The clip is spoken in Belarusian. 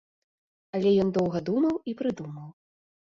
Але ён доўга думаў і прыдумаў.